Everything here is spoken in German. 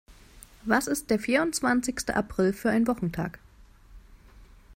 Was ist der vierundzwanzigste April für ein Wochentag?